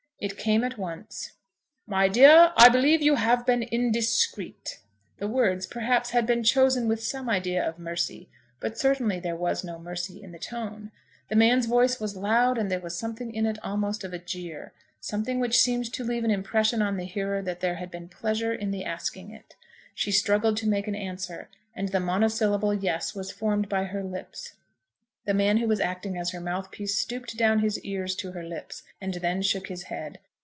It came at once. "My dear, I believe you have been indiscreet?" The words, perhaps, had been chosen with some idea of mercy, but certainly there was no mercy in the tone. The man's voice was loud, and there was something in it almost of a jeer, something which seemed to leave an impression on the hearer that there had been pleasure in the asking it. She struggled to make an answer, and the monosyllable, yes, was formed by her lips. The man who was acting as her mouthpiece stooped down his ears to her lips, and then shook his head.